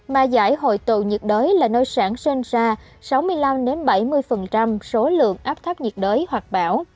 mà giải hội tụ nhiệt đới là nơi sản sơn sa sáu mươi năm bảy mươi số lượng áp thấp nhiệt đới hoặc bão